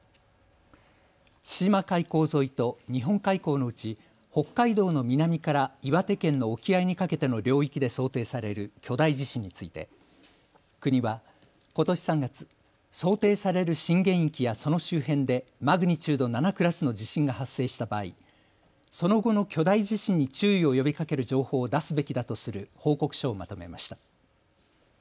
千島海溝沿いと日本海溝のうち北海道の南から岩手県の沖合にかけての領域で想定される巨大地震について、国はことし３月、想定される震源域やその周辺でマグニチュード７クラスの地震が発生した場合、その後の巨大地震に注意を呼びかける情報を出すべきだとする報告書をまとめました。